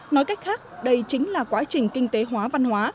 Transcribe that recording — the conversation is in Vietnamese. nói cách khác đây chính là quá trình kinh tế hóa văn hóa